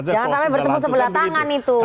jangan sampai bertemu sebelah tangan itu